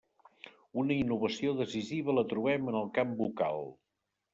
Una innovació decisiva la trobem en el camp vocal.